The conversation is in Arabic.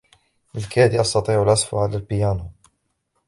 بالكاد أستطيع العزف على البيانو.